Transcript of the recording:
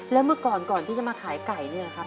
แล้วเมื่อก่อนที่จะมาขายไก่เนี่ยครับ